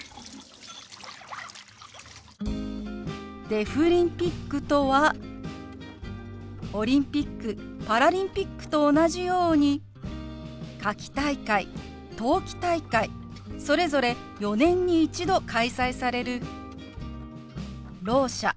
「デフリンピック」とはオリンピックパラリンピックと同じように夏季大会冬季大会それぞれ４年に一度開催されるろう者